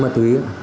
mua mặt túy